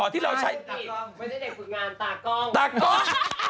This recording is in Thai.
ตากล้อง